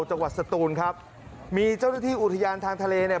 สตูนครับมีเจ้าหน้าที่อุทยานทางทะเลเนี่ย